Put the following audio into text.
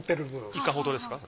いかほどですか？